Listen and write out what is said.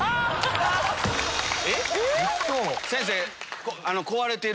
先生！